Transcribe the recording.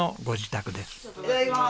いただきます。